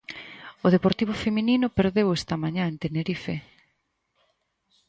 O Deportivo feminino perdeu esta mañá en Tenerife.